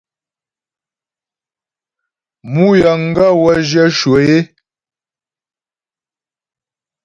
Mǔ yəŋgaə́ wə́ zhyə̂ shwə é.